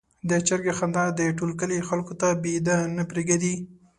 د چرګې خندا د ټول کلي خلکو ته بېده نه پرېږدي.